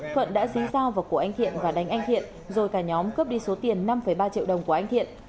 thuận đã dí dao vào cổ anh thiện và đánh anh thiện rồi cả nhóm cướp đi số tiền năm ba triệu đồng của anh thiện